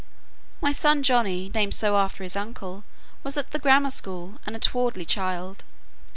My son Johnny, named so after his uncle, was at the grammar school, and a towardly child.